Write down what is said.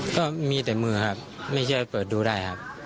ก็มีแต่มือครับไม่เชื่อเปิดดูได้ครับ